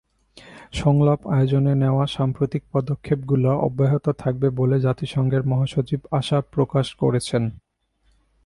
সংলাপ আয়োজনে নেওয়া সাম্প্রতিক পদক্ষেপগুলো অব্যাহত থাকবে বলে জাতিসংঘের মহাসচিব আশা প্রকাশ করেছেন।